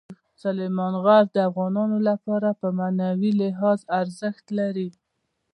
سلیمان غر د افغانانو لپاره په معنوي لحاظ ارزښت لري.